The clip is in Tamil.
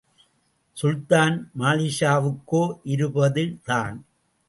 சுல்தான் மாலிக்ஷாவுக்கோ இருபதுதான்.